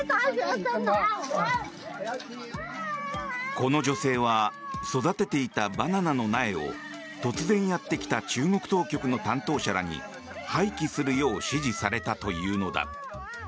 この女性は育てていたバナナの苗を突然やってきた中国当局の担当者らに廃棄するよう指示されたというのだ。